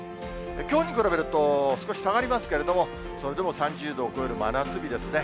きょうに比べると少し下がりますけれども、それでも３０度を超える真夏日ですね。